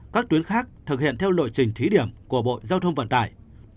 các tuyến khác thực hiện theo lộ trình thí điểm của bộ giao thông vận tải